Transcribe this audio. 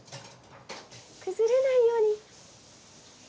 崩れないように。